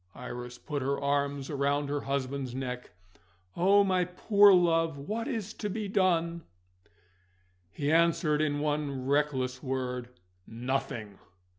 Iris put her arms round her husband's neck. "Oh, my poor love, what is to be done?" He answered in one reckless word: "Nothing!"